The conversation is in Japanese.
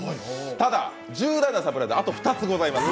ただ、重大なサプライズ、あと２つございます。